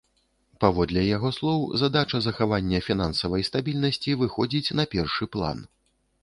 Паводле яго слоў, задача захавання фінансавай стабільнасці выходзіць на першы план.